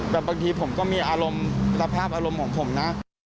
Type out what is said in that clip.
แต่บางทีผมก็มีอารมณ์สภาพอารมณ์ของผมนะ